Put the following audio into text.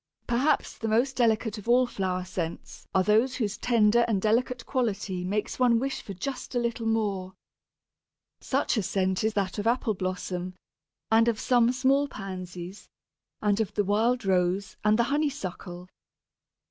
Perhaps the most delightful of all flower scents are those whose tender and delicate quality makes one wish for just a little more. Such a scent is that of Apple blossom, and of some small Pansies, and of the wild Rose and the Honeysuckle.